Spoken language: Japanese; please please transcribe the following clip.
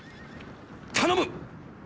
頼む！